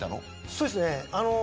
そうですね。